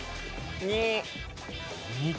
２。